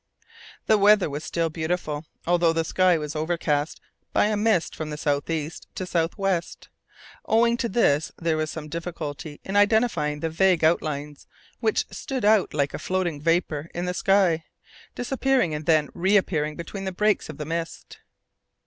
The weather was still beautiful, although the sky was overcast by a mist from south east to south west. Owing to this there was some difficulty in identifying the vague outlines which stood out like floating vapour in the sky, disappearing and then reappearing between the breaks of the mist.